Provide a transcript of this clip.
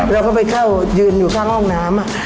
แล้วก็ไปเข้ายืนอยู่ข้างห้องน้ำ